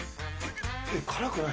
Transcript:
辛くない？